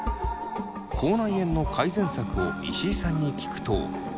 口内炎の改善策を石井さんに聞くとうがい薬で。